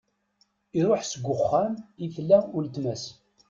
Iruḥ seg uxxam i tella uletma-s.